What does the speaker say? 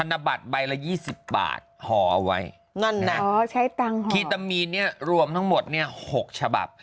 ธนบัตรใบละ๒๐บาทห่อเอาไว้ใช้ตังค์คีตามีนรวมทั้งหมด๖ฉบับ